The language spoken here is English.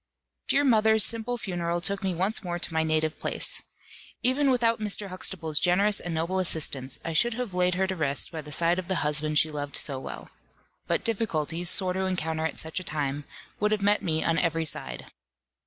Dear mother's simple funeral took me once more to my native place. Even without Mr. Huxtable's generous and noble assistance, I should have laid her to rest by the side of the husband she loved so well. But difficulties, sore to encounter at such a time, would have met me on every side.